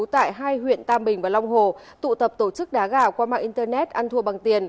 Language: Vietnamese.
tại hai huyện tam bình và long hồ tụ tập tổ chức đá gà qua mạng internet ăn thua bằng tiền